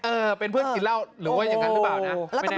เออเป็นเพื่อนกินเหล้าหรือว่าอย่างนั้นหรือเปล่านะ